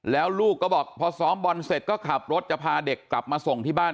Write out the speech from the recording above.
แล้วลูกก็บอกพอซ้อมบอลเสร็จก็ขับรถจะพาเด็กกลับมาส่งที่บ้าน